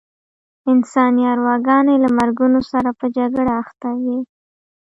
انساني ارواګانې له مرګونو سره په جګړه اخته وې.